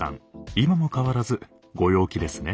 今も変わらずご陽気ですね。